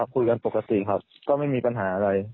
คุยกันปกติครับก็ไม่มีปัญหาอะไร